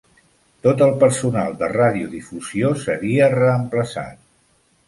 Tot el personal de radiodifusió seria reemplaçat.